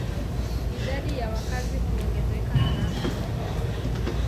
Idadi ya wakazi huongezeka haraka.